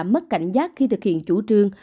mất cảnh giác khi thực hiện chủ trương